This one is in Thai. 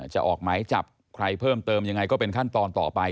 ออกหมายจับใครเพิ่มเติมยังไงก็เป็นขั้นตอนต่อไป